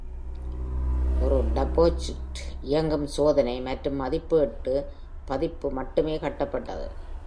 ஒரு டர்போஜெட் இயங்கும் சோதனை மற்றும் மதிப்பீட்டு பதிப்பு மட்டுமே கட்டப்பட்டது.